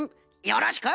よろしく！